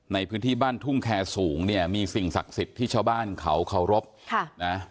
ในพื้นที่บ้านทุ่งแคสูงเนี่ยมีสิ่งศักดิ์สิทธิ์ที่ชาวบ้านเขาเคารพนะ